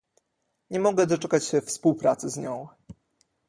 Nie mogę doczekać się współpracy z nią